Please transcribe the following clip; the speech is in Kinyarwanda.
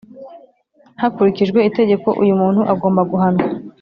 Hakurikijwe Itegeko uyumuntu agomba guhanwa